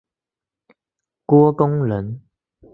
郭躬人。